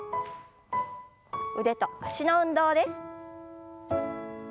腕と脚の運動です。